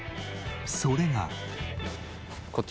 それが。